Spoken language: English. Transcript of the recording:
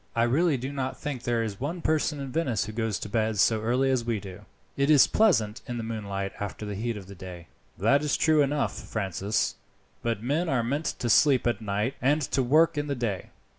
I really do not think there is one person in Venice who goes to bed so early as we do. It is so pleasant in the moonlight after the heat of the day." "That is true enough, Francis, but men are meant to sleep at night and to work in the day.